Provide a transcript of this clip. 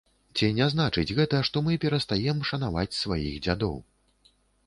Ці не значыць гэта, што мы перастаем шанаваць сваіх дзядоў?